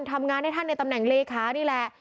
ทำงานให้ท่านในตำแหน่งเลขานี่แหละ